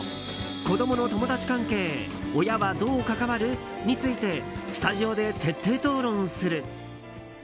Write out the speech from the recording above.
子供の友達関係親はどう関わる？についてスタジオで徹底討論する。